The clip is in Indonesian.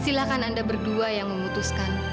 silahkan anda berdua yang memutuskan